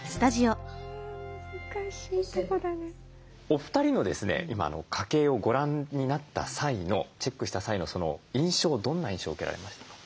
お二人の今家計をご覧になった際のチェックした際の印象どんな印象受けられましたか？